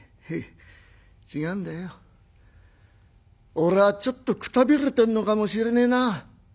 俺はちょっとくたびれてんのかもしれねえな。